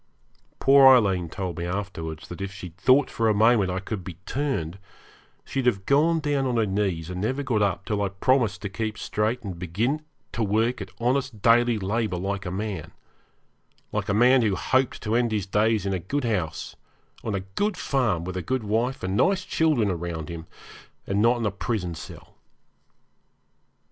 Poor Aileen told me afterwards that if she'd thought for a moment I could be turned she'd have gone down on her knees and never got up till I promised to keep straight and begin to work at honest daily labour like a man like a man who hoped to end his days in a good house, on a good farm, with a good wife and nice children round him, and not in a prison cell.